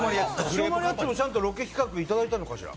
シオマリアッチも、ちゃんとロケ企画いただいたのかしら？